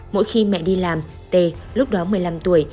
mỗi khi mẹ đi làm tê lúc đó một mươi năm tuổi